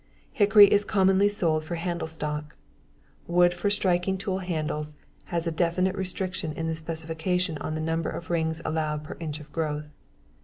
Hickory is commonly sold for handle stock. Wood for striking tool handles has a definite restriction in the specifications on the number of rings allowed per inch of growth.